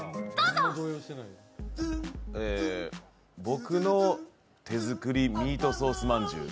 僕の手づくりミートソースまんじゅう。